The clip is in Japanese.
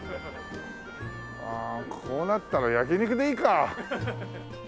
ああこうなったら焼肉でいいか。